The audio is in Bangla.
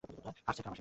হাসছেন কেন মাসিমা।